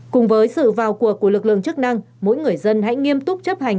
cùng với sự vào cuộc của lực lượng chức năng mỗi người dân hãy nghiêm túc chấp hành